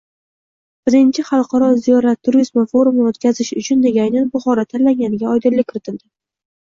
I Xalqaro ziyorat turizmi forumini oʻtkazish uchun nega aynan Buxoro tanlanganiga oydinlik kiritildi